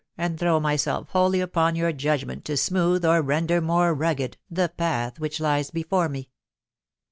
and throw myself wholly upon your judgment to smooth, «r render more rugged, the path which lies before me."